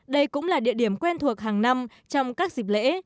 đây cũng là địa điểm quen thuộc hàng năm trong các dịp lễ